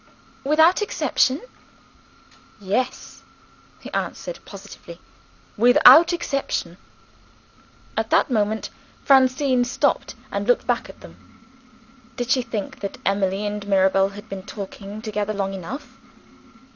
"Without exception?" "Yes," he answered positively, "without exception." At that moment Francine stopped and looked back at them. Did she think that Emily and Mirabel had been talking together long enough?